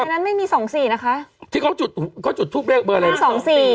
เมื่อนั้นไม่มีสองสี่นะคะที่เขาจุดเขาจุดทุกเลขเบอร์เลยห้าสองสี่